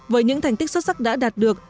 với những thành tích xuất sắc đã đạt được